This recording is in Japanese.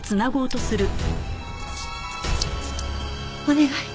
お願い！